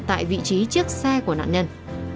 tại vị trí chiếc xe của nạn nhân